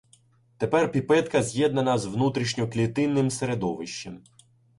Тепер піпетка з'єднана з внутрішньоклітинним середовищем.